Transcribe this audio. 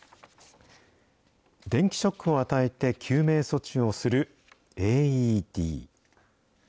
電気ショックを与えて救命措置をするＡＥＤ。